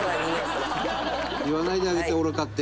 「言わないであげて“愚か”って」